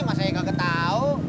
masa yang gak ketau